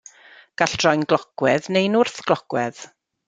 Gall droi'n glocwedd neu'n wrthglocwedd.